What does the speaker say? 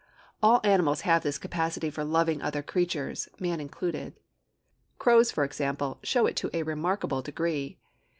All animals have this capacity for loving other creatures, man included. Crows, for example, show it to a remarkable degree.